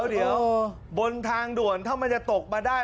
เดี๋ยวบนทางด่วนถ้ามันจะตกมาได้